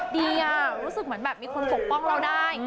ดีรู้สึกเหมือนแบบมีคนปกป้องเราได้